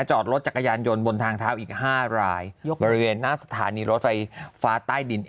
จอดรถจักรยานยนต์บนทางเท้าอีก๕รายบริเวณหน้าสถานีรถไฟฟ้าใต้ดิน